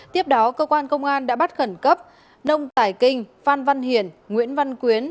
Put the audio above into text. tiếp đó cơ quan công an đã bắt khẩn cấp nông tải kinh phan văn hiển nguyễn văn quyến